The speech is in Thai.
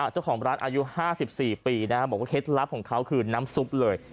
เจ้าของร้านอายุ๕๔ปีแล้วเขตลับของเขาคือน้ำสุปเลย